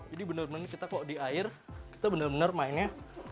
jadi kalau kita di air kita benar benar mainnya